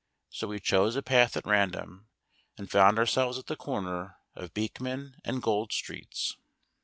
So we chose a path at random and found ourselves at the corner of Beekman and Gold streets.